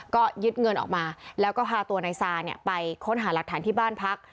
ก็ยึดเงินออกมาแล้วก็พาตัวนายซาไปค้นหาหลักฐานที่บ้านพัก